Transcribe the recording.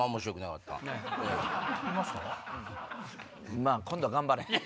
まぁ今度頑張れ。